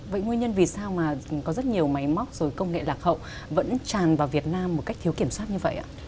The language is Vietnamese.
vậy nguyên nhân vì sao mà có rất nhiều máy móc rồi công nghệ lạc hậu vẫn tràn vào việt nam một cách thiếu kiểm soát như vậy ạ